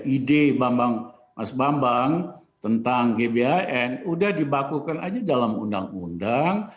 ide mas bambang tentang gbhn udah dibakukan aja dalam undang undang